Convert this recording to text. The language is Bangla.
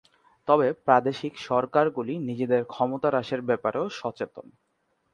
তবে প্রাদেশিক সরকারগুলি নিজেদের ক্ষমতা হ্রাসের ব্যাপারেও সচেতন।